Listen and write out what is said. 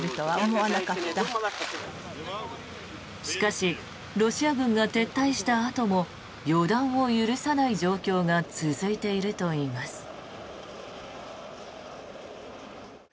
しかしロシア軍が撤退したあとも予断を許さない状況が続いているといいます。